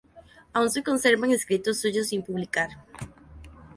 Aún se conservan escritos suyos sin publicar.